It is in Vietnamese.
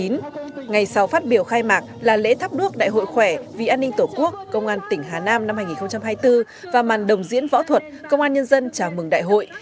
ngày sau phát biểu khai mạc là lễ tháp đuốc đại hội khỏe vì an ninh tổ quốc công an tỉnh hà nam năm hai nghìn hai mươi bốn và màn đồng diễn võ thuật công an nhân dân chào mừng đại hội